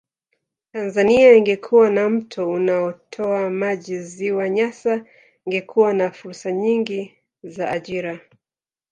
Tanzania ingekuwa na mto unaotoa maji ziwa Nyasa ingekuwa na fursa nyingi za ajira